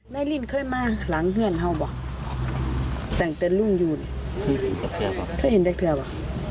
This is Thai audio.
นายนารินเคยมาหลังเฮือนเหรอบ่ะตั้งแต่รุ่นยูนเคยเห็นเด็กเธอบ่ะ